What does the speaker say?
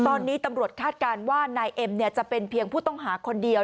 ตอนนี้ตำรวจคาดการณ์ว่านายเอ็มจะเป็นเพียงผู้ต้องหาคนเดียว